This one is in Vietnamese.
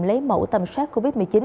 lấy mẫu tầm soát covid một mươi chín